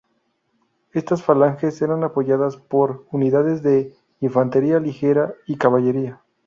Estas falanges eran apoyadas por unidades de infantería ligera y caballería.